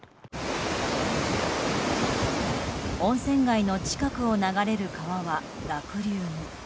温泉街の近くを流れる川は濁流に。